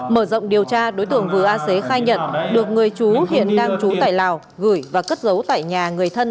mở rộng điều tra đối tượng vừa a xế khai nhận được người chú hiện đang chú tải lào gửi và cất dấu tải nhà người thân